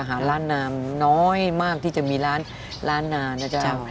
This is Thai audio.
ร้านนามน้อยมากที่จะมีร้านนานะเจ้า